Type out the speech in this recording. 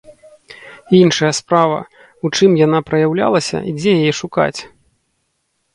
Іншая справа, у чым яна праяўлялася і дзе яе шукаць?